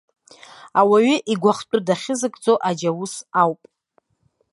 Ауаҩы игәахәтәы дахьызыгӡо аџьаус ауп.